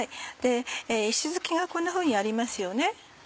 石づきがこんなふうにありますよね。